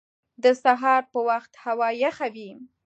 د سهار په وخت هوا یخه وي